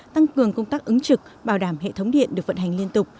tăng cường công tác ứng trực bảo đảm hệ thống điện được vận hành liên tục